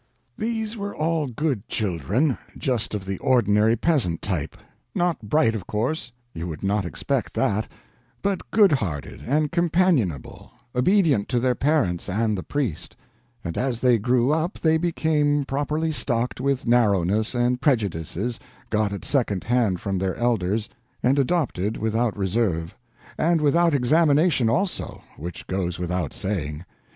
These were all good children, just of the ordinary peasant type; not bright, of course—you would not expect that—but good hearted and companionable, obedient to their parents and the priest; and as they grew up they became properly stocked with narrowness and prejudices got at second hand from their elders, and adopted without reserve; and without examination also—which goes without saying.